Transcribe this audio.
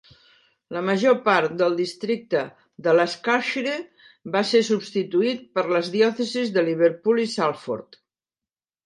La major part del districte de Lancashire va ser substituït per les diòcesis de Liverpool i Salford.